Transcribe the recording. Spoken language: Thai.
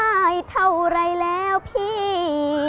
ให้เท่าไหร่แล้วพี่